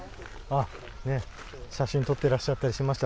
写真を撮ってらっしゃったりしました。